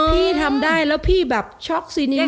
พี่ทำได้แล้วพี่แบบช็อกซีเนียน